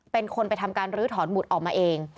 เป็นคนไปทำการลื้อถอนหุดออกมาเอง